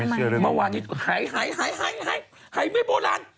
เมื่อวานนี้หายหายไม่โบราณ